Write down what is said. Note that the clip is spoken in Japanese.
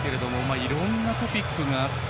いろんなトピックがあった。